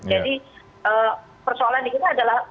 jadi persoalan ini adalah